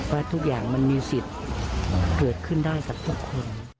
ว่าทุกอย่างมันมีสิทธิ์เกิดขึ้นได้กับทุกคน